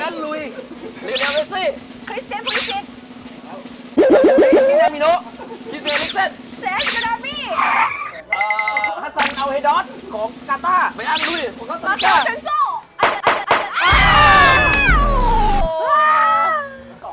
เนี่ยข้ารักเจ้านี่ขนาดนี่ขนาดรัก